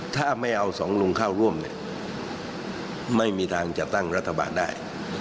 ถ้าไม่เอาสองลุงเข้าร่วมเนี่ยไม่มีทางจะตั้งรัฐบาลได้